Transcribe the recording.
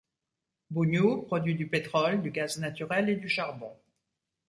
Bunyu produit du pétrole, du gaz naturel et du charbon.